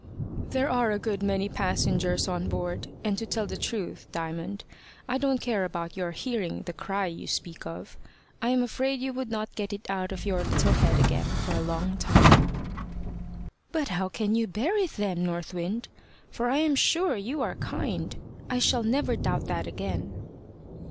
"There are a good many passengers on board; and to tell the truth, Diamond, I don't care about your hearing the cry you speak of. I am afraid you would not get it out of your little head again for a long time." "But how can you bear it then, North Wind? For I am sure you are kind. I shall never doubt that again."